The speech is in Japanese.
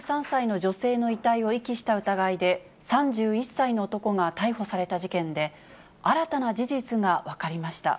静岡県沼津市の自宅に、３３歳の女性の遺体を遺棄した疑いで、３１歳の男が逮捕された事件で、新たな事実が分かりました。